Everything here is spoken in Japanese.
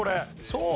そう？